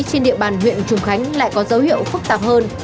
trên địa bàn huyện trùng khánh lại có dấu hiệu phức tạp hơn